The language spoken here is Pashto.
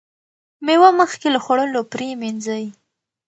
مېوه مخکې له خوړلو پریمنځئ.